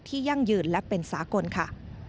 ยั่งยืนและเป็นสากลค่ะ